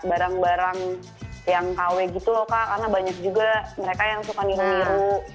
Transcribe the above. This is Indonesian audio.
barang barang yang kw gitu loh kak karena banyak juga mereka yang suka niru niru